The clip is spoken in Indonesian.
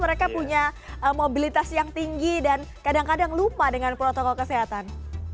mereka punya mobilitas yang tinggi dan kadang kadang lupa dengan protokol kesehatan